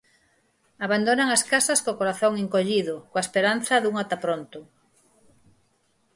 Abandonan as casas co corazón encollido, coa esperanza dun ata pronto.